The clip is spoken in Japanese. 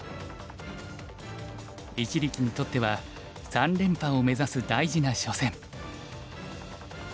一力にとっては三連覇を目指す大事な初戦。